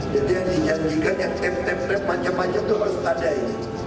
jadi yang dijanjikan yang temp temp panjang panjang itu harus ada ini